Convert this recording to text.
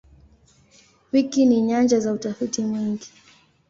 Wiki ni nyanja za utafiti mwingi.